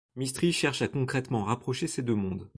Mistry cherche à concrètement rapprocher ces deux mondes.